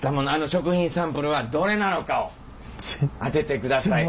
食品サンプルはどれなのかを当ててください。